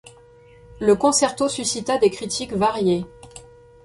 Le concerto suscita des critiques variées.